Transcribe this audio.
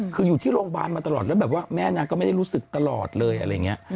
คืออยู่ที่โรงพยาบาลมาตลอดแล้วแบบว่าแม่นางก็ไม่ได้รู้สึกตลอดเลยอะไรอย่างนี้